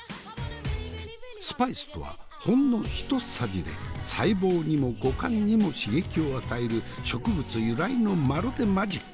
スパイスとはほんの一さじで細胞にも五感にも刺激を与える植物由来のまるでマジック。